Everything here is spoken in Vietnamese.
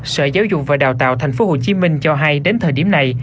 sở giáo dục và đào tạo tp hcm cho hay đến thời điểm này